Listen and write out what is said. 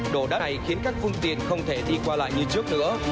độ đắt này khiến các phương tiện không thể đi qua lại như trước nữa